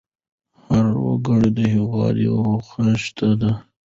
هر وګړی د هېواد یو خښته ده.